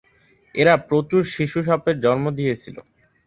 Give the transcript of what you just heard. এরা প্রচুর শিশু সাপের জন্ম দিয়েছিল।